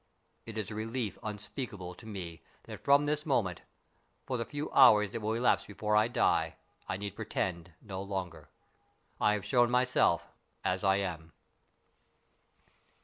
It is a relief unspeakable to me that from this moment, for the few hours that will elapse before I die, I need pretend no longer. I have shown myself as I am."